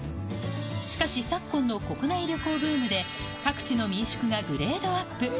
しかし昨今の国内旅行ブームで各地の民宿がグレードアップ。